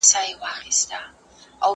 زه ليک لوستی دی!.